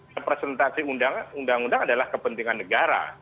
representasi undang undang adalah kepentingan negara